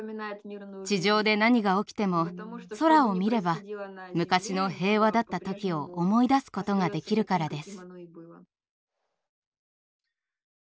地上で何が起きても空を見れば昔の平和だった時を思い出すことができるからです。